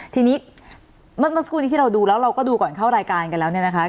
ทีนี้เมื่อสักครู่นี้ที่เราดูแล้วเราก็ดูก่อนเข้ารายการกันแล้วเนี่ยนะคะ